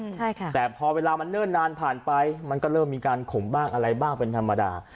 ใช่ค่ะแต่พอเวลามันเนิ่นนานผ่านไปมันก็เริ่มมีการขมบ้างอะไรบ้างเป็นธรรมดา